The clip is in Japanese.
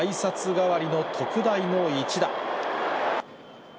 代わりの特大の一打。